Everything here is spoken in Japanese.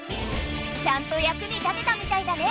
ちゃんとやくに立てたみたいだね。